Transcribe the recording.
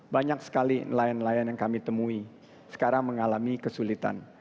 banyak sekali nelayan nelayan yang kami temui sekarang mengalami kesulitan